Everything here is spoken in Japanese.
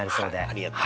ありがとう。